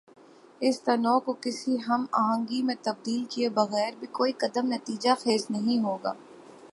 اس تنوع کو کسی ہم آہنگی میں تبدیل کیے بغیربھی کوئی قدم نتیجہ خیز نہیں ہو گا۔